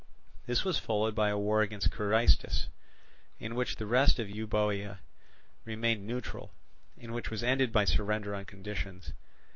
This was followed by a war against Carystus, in which the rest of Euboea remained neutral, and which was ended by surrender on conditions.